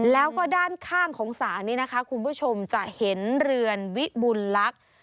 แล้วก็ด้านข้างของศาลนี้นะคะคุณผู้ชมจะเห็นเรือนวิบุญลักษณ์